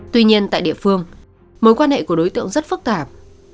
tuy nhiên tại địa phương mối quan hệ của đối tượng rất phức tạp